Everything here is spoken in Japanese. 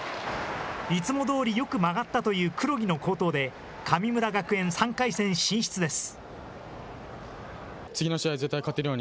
いつもどおりよく曲がったという黒木の好投で神村学園３回戦進出です。